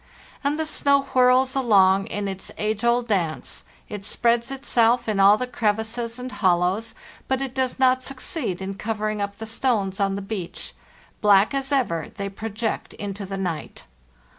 And the snow whirls along in its age old dance; it spreads itself in all the crevices and hollows, but it does not succeed in covering up the stones on the beach; black as ever, they project into the night.